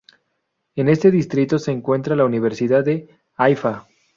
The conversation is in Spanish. En este distrito se encuentra la Universidad de Haifa.